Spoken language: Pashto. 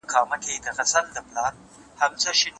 د دروازې په ځینځیر ځان مشغولوینه